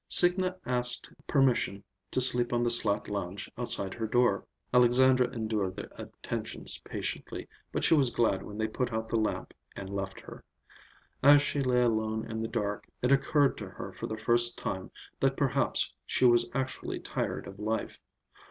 Signa asked permission to sleep on the slat lounge outside her door. Alexandra endured their attentions patiently, but she was glad when they put out the lamp and left her. As she lay alone in the dark, it occurred to her for the first time that perhaps she was actually tired of life.